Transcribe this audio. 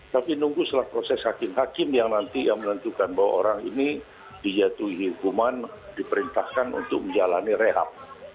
tapi nunggu setelah proses hakim hakim yang nanti yang menentukan bahwa orang ini dijatuhi hukuman diperintahkan untuk menjalani rehab